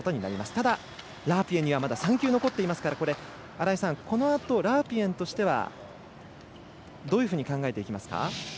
ただ、ラープイェンは３球残っていますからこのあと、ラープイェンとしてはどう考えていきますか？